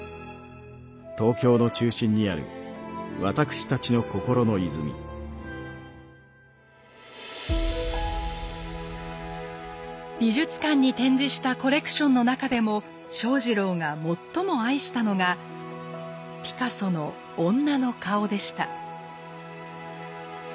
東京の中心にある私たちの心の泉美術館に展示したコレクションの中でも正二郎が最も愛したのがピカソの「女の顔」でした。